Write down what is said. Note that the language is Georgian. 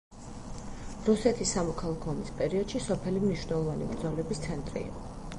რუსეთის სამოქალაქო ომის პერიოდში სოფელი მნიშვნელოვანი ბრძოლების ცენტრი იყო.